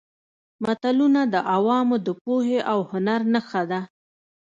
متلونه د عوامو د پوهې او هنر نښه ده